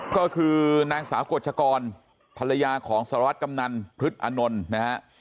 ก็คือนางสาวกรรชกรภรรยาของสรวรรษกำนันพฤทธิ์อนนท์